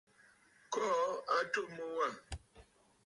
Kɔɔ atu mu wâ.